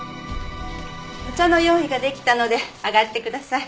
お茶の用意ができたので上がってください。